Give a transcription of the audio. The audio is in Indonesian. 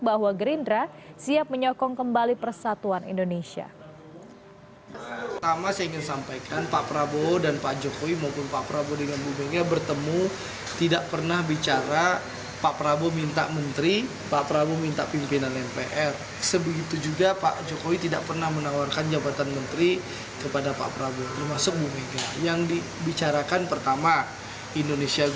bahwa gerindra siap menyokong kembali persatuan indonesia